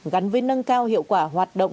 gắn với nâng cao hiệu quả hoạt động